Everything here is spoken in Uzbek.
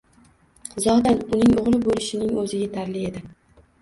Zotan, uning o'g'li bo'lishining o'zi yetarli edi.